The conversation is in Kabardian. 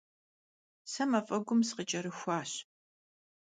Se maf'egum sıkhıç'erıxuaş.